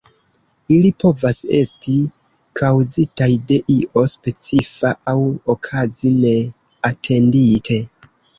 Ili povas esti kaŭzitaj de io specifa aŭ okazi neatendite.